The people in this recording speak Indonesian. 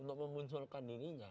untuk memunculkan dirinya